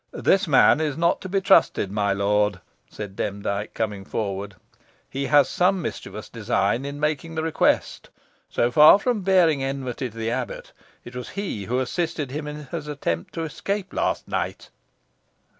"This man is not to be trusted, my lord," said Demdike, coming forward; "he has some mischievous design in making the request. So far from bearing enmity to the abbot, it was he who assisted him in his attempt to escape last night."